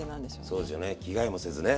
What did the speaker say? そうでしょうね着替えもせずね。